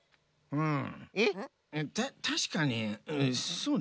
うん。